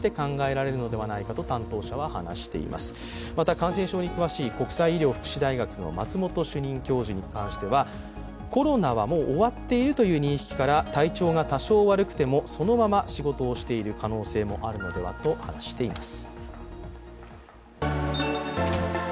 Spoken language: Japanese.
感染症に詳しい国際医療福祉大学の松本主任教授は、コロナはもう終わっているという認識から体調が多少悪くてもそのまま仕事をしている可能性もあるのではとしています。